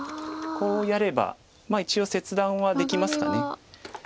こうやれば一応切断はできますか。